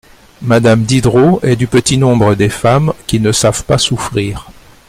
Madame Diderot est du petit nombre des femmes qui ne savent pas souffrir.